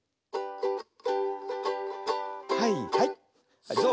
はいはい！